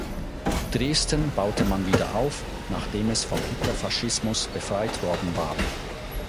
Dresden baute man wieder auf, nachdem es vom Hitlerfaschismus befreit worden war.